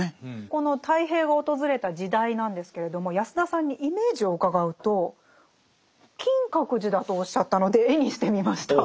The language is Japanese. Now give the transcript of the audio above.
この太平が訪れた時代なんですけれども安田さんにイメージを伺うと金閣寺だとおっしゃったので絵にしてみました。